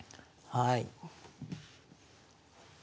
はい。